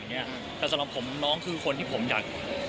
แต่สำหรับผมน้องคือคนที่ผมอยาก